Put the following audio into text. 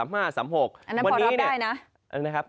แบบนั้นพอรับได้นะอันนั้นแหละครับ